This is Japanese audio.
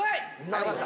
よかった。